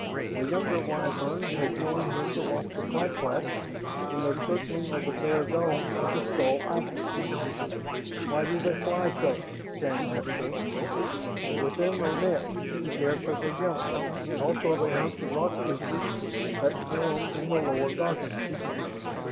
The younger Wyvern had joined him to watch the clak claks in their circling of the bare dome of the skull island. "Why do they fly so?" Shann asked her. "Within they nest, care for their young. Also they hunt the rock creatures that swarm in the lower darkness."